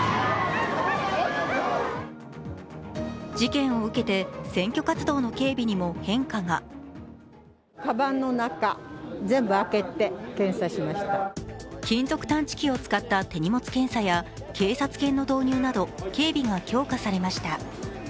事件を受けて選挙活動の警備にも変化が金属探知機を使った手荷物検査や警察犬の導入など、警備が強化されました。